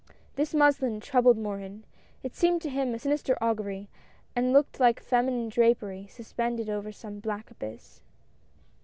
This muslin troubled Morin ; it seemed to him a sinister augury, and looked like feminine drapery sus pended over some black abyss.